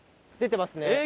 出てますね。